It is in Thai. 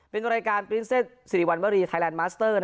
เป็นรายการปริ้นเซ็ตสิริวัณวรีไทยแลนดมาสเตอร์